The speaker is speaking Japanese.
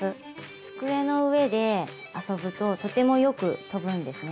机の上で遊ぶととてもよく飛ぶんですね。